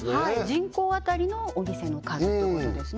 人口当たりのお店の数ってことですね